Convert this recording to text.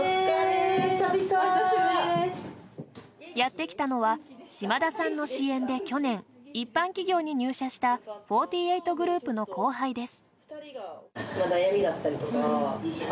やってきたのは島田さんの支援で去年一般企業に入社した４８グループの後輩です。